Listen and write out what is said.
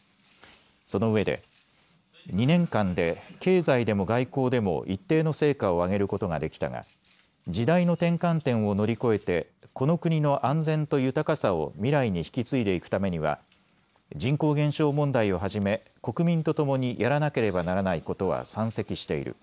そのうえで２年間で経済でも外交でも一定の成果を上げることができたが時代の転換点を乗り越えてこの国の安全と豊かさを未来に引き継いでいくためには人口減少問題をはじめ国民とともにやらなければならないことは山積している。